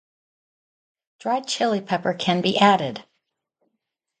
Dried chili pepper can be added.